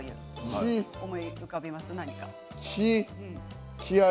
思い浮かびますか。